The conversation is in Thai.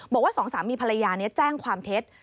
บอกว่าสองสามีภรรยานี้แจ้งความเท็จ